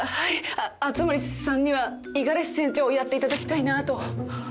あ熱護さんには五十嵐船長をやっていただきたいなあと。